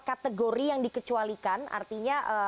kategori yang dikecualikan artinya